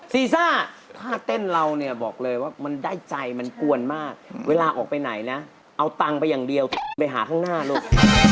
ซีซ่าถ้าเต้นเราเนี่ยบอกเลยว่ามันได้ใจมันกวนมากเวลาออกไปไหนนะเอาตังค์ไปอย่างเดียวไปหาข้างหน้าลูก